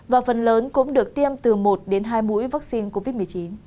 và phần lớn cũng được tiêm từ một đến hai mũi vaccine covid một mươi chín